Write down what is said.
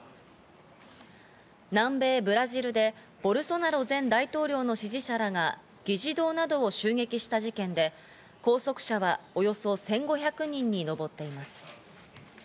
南米ブラジルでボルソナロ前大統領の支持者らが議事堂などを襲撃した事件で、拘束者はおよそ１５００人にのぼっています。